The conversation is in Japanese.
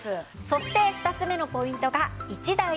そして２つ目のポイントが１台で３役。